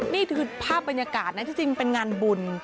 นี่คือภาพบรรยากาศนะที่จริงเป็นงานบุญ